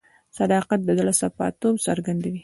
صداقت د زړه صفا توب څرګندوي.